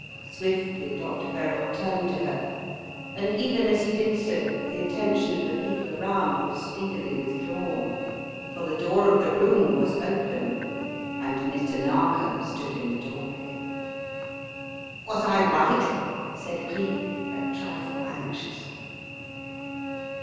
Swiftly Dr. Verrall turned to her and even as he did so, the attention of the people around was speedily withdrawn, for the door of the room was opened, and Mr. Narkom stood in the doorway. Was I right?" said Cleek, a trifle anxiously.